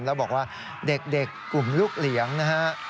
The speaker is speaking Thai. แล้วบอกว่าเด็กกลุ่มลูกเหลียงนะฮะ